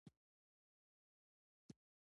سهار مهال ګډ ورزش د ټولو لپاره ګټور دی